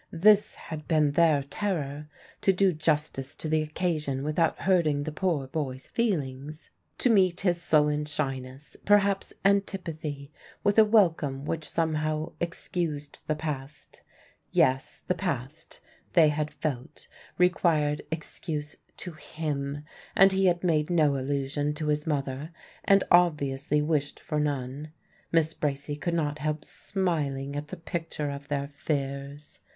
This had been their terror to do justice to the occasion without hurting the poor boy's feelings to meet his sullen shyness, perhaps antipathy, with a welcome which somehow excused the past. Yes, the past (they had felt) required excuse to him. And he had made no allusion to his mother, and obviously wished for none. Miss Bracy could not help smiling at the picture of their fears.